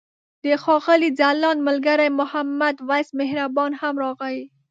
د ښاغلي ځلاند ملګری محمد وېس مهربان هم راغی.